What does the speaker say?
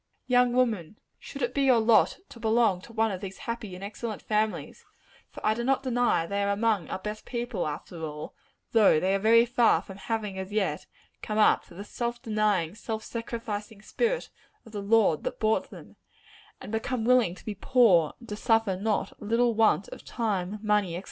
Young woman, should it be your lot to belong to one of these happy and excellent families for I do not deny that they are among our best people, after all, though they are very far from having, as yet, come up to the self denying, self sacrificing spirit of the Lord that bought them, and become willing to be poor, and to suffer not a little want of time, money, &c.